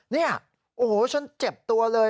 เนี่ยโอ้โหฉันเจ็บตัวเลย